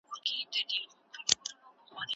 تفصيل ئې د ميراث په کتابونو کي دی.